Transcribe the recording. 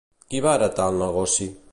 Qui va heretar el negoci?